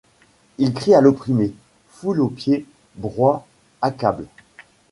Il crie à l'opprimé : Foule aux pieds ! broie ! accable !